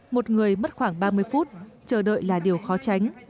một người mất khoảng ba mươi phút chờ đợi là điều khó tránh